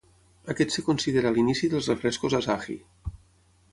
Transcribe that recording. Aquest es considera l"inici dels refrescos Asahi.